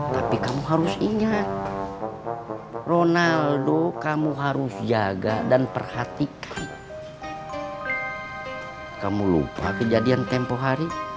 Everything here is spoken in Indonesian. tapi kamu harus ingat ronaldo kamu harus jaga dan perhatikan kamu lupa kejadian tempoh hari